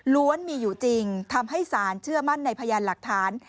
มีอยู่จริงทำให้ศาลเชื่อมั่นในพยานหลักฐาน